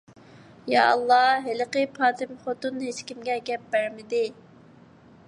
يائاللا، ھېلىقى پاتمىخوتۇن ھېچكىمگە گەپ بەرمىدى.